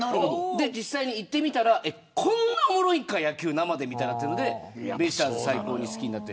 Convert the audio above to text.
で実際に行ってみたらこんなおもろいんか野球生で見たらとなってベイスターズを最高に好きになって。